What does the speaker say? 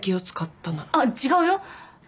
あっ違うよ。